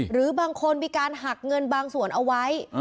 หรือบางคนมีการหักเงินบางส่วนเอาไว้